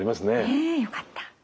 ねえよかった。